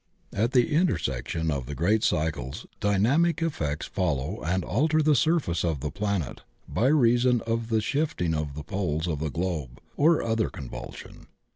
At the intersection of the great cycles dynamic ef fects follow and alter the surface of the planet by reason of the shifting of the poles of the globe or other convulsion.